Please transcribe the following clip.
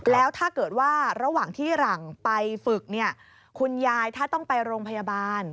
แล้วถ้าเกิดว่าระหว่างที่หลังไปฝึกเนี่ยคุณยายถ้าต้องไปโรงพยาบาล